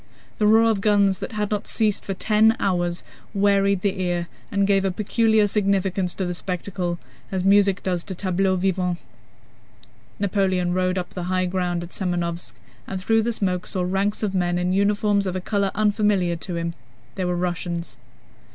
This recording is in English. The roar of guns, that had not ceased for ten hours, wearied the ear and gave a peculiar significance to the spectacle, as music does to tableaux vivants. Napoleon rode up the high ground at Semënovsk, and through the smoke saw ranks of men in uniforms of a color unfamiliar to him. They were Russians.